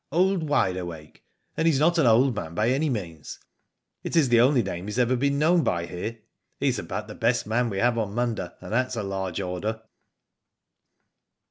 Old Wide Awake, and he's not an old man by any means. It is the only name he has ever been known by here. He's about the best man we have on Munda, and that's a large order."